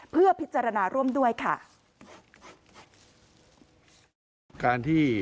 เพื่อพิจารณาร่วมด้วยค่ะ